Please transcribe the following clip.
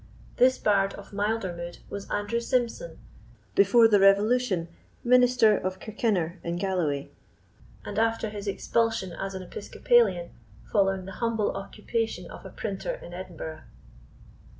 This bard of milder mood was Andrew Symson, before the Revolution minister of Kirkinner, in Galloway, and after his expulsion as an Episcopalian following the humble occupation of a printer in Edinburgh.